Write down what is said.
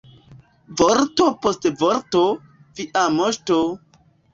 Vorto post vorto, Via moŝto!